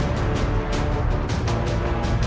สวัสดีครับ